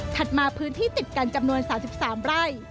มาพื้นที่ติดกันจำนวน๓๓ไร่